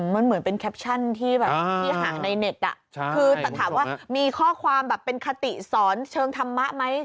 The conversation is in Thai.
มันเหมือนเป็นแคปชั่นที่แบบที่ห่างในเน็ตคือแต่ถามว่ามีข้อความแบบเป็นคติสอนเชิงธรรมะไหม